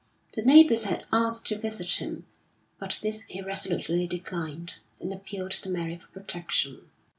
The neighbours had asked to visit him, but this he resolutely declined, and appealed to Mary for protection.